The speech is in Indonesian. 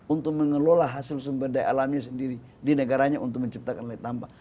untuk mengelola hasil sumber daya alamnya sendiri di negaranya untuk menciptakan nilai tambah